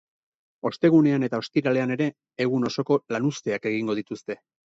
Ostegunean eta ostiralean ere egun osoko lanuzteak egingo dituzte.